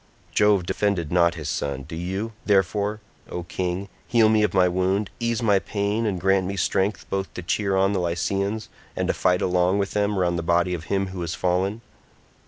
Jove defended not his son, do you, therefore, O king, heal me of my wound, ease my pain and grant me strength both to cheer on the Lycians and to fight along with them round the body of him who has fallen."